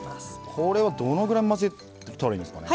これは、どのぐらい混ぜたらいいんですかね。